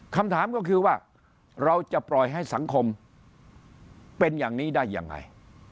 คำถามก็คือว่าเราจะปล่อยให้สังคมเป็นอย่างนี้ได้ยังไง